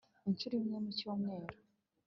incuro imwe mu cyumweru